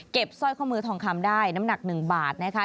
สร้อยข้อมือทองคำได้น้ำหนัก๑บาทนะคะ